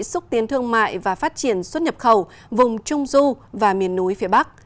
xúc tiến thương mại và phát triển xuất nhập khẩu vùng trung du và miền núi phía bắc